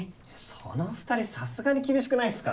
その２人さすがに厳しくないっすか。